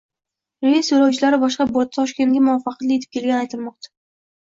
Reys yo‘lovchilari boshqa bortda Toshkentga muvaffaqiyatli yetib kelgani aytilmoqda